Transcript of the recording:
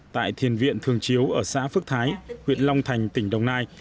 tại thiền viện thường chiếu ở xã phước thái huyện long thành tỉnh đồng nai